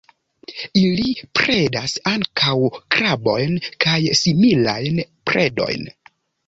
Ili predas ankaŭ krabojn kaj similajn predojn.